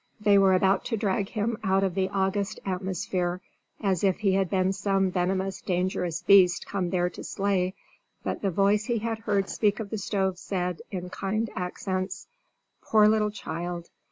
They were about to drag him out of the august atmosphere as if he had been some venomous, dangerous beast come there to slay, but the voice he had heard speak of the stove said, in kind accents, "Poor little child!